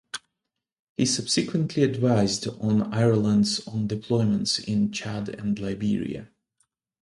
He subsequently advised on Ireland’s on deployments in Chad and Liberia.